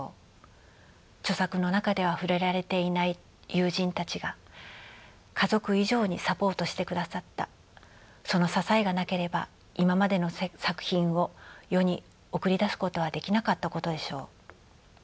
著作の中では触れられていない友人たちが家族以上にサポートしてくださったその支えがなければ今までの作品を世に送り出すことはできなかったことでしょう。